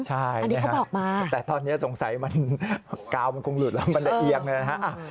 ใช่แต่ตอนนี้สงสัยมันกาวมันคงหลุดแล้วมันระเอียงนะฮะ